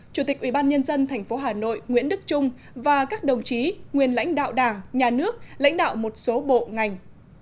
chủ tịch ủy ban nhân dân tp hà nội nguyễn đức trung và các đồng chí nguyên lãnh đạo đảng nhà nước lãnh đạo một số bộ ngành